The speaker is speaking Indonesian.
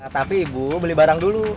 tapi ibu beli barang dulu